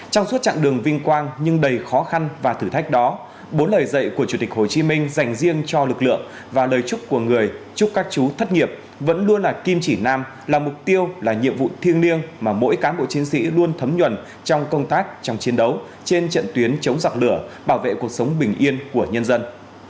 trong suốt chặng đường vinh quang nhưng đầy khó khăn và thử thách đó bốn lời dạy của chủ tịch hồ chí minh dành riêng cho lực lượng và lời chúc của người chúc các chú thất nghiệp vẫn luôn là kim chỉ nam là mục tiêu là nhiệm vụ thiêng liêng mà mỗi cán bộ chiến sĩ luôn thấm nhuần trong công tác trong chiến đấu trên trận tuyến chống giặc lửa bảo vệ cuộc sống bình yên của nhân dân